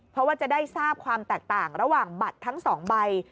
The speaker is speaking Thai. เพราะว่าจะได้ทราบความแตกต่างระหว่างบัตรทั้ง๒ใบ